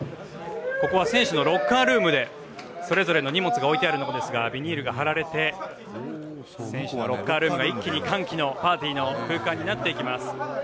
ここは選手のロッカールームでそれぞれの荷物が置いてあるんですがビニールが張られて選手のロッカールームが一気に歓喜のパーティーの空間になっていきます。